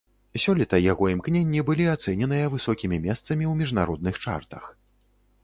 Сёлета яго імкненні былі ацэненыя высокімі месцамі ў міжнародных чартах.